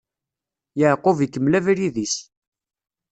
Yeɛqub ikemmel abrid-is.